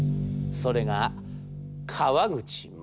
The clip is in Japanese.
それが川口勝。